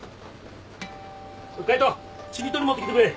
海斗ちり取り持ってきてくれ。